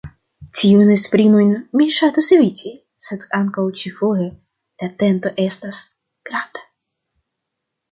Tiujn esprimojn mi ŝatus eviti, sed ankaŭ ĉi-foje la tento estas granda.